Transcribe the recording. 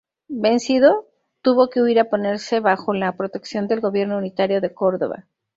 Vencido, tuvo que huir a ponerse bajo la protección del gobierno unitario de Córdoba.